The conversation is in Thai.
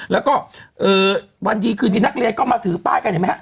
แล้วก็วันดีคืนดีนักเรียนก็มาถือป้ายกันเห็นไหมฮะ